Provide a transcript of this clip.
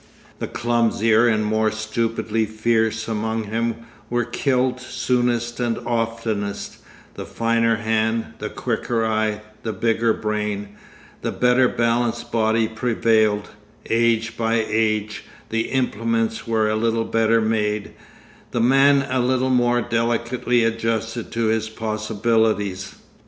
The clumsier and more stupidly fierce among him were killed soonest and oftenest; the finer hand, the quicker eye, the bigger brain, the better balanced body prevailed; age by age, the implements were a little better made, the man a little more delicately adjusted to his possibilities.